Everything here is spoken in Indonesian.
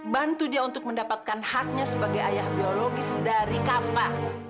bantu dia untuk mendapatkan haknya sebagai ayah biologis dari kava